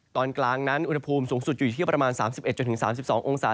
ก็จะมีการแผ่ลงมาแตะบ้างนะครับ